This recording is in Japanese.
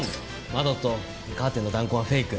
窓とカーテンの弾痕はフェイク。